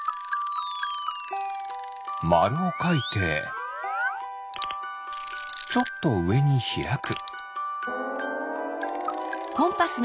まるをかいてちょっとうえにひらく。